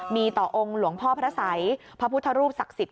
มีต่อองค์หลวงพ่อพระสัยพระพุทธรูปศักดิ์สิทธิ